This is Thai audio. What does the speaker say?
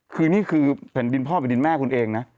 คือนี่คือแผ่นดินพ่อแผ่นดินแม่คุณเองนะ